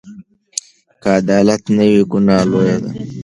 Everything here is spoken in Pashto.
که عدالت نه وي، ګناه لویه ده.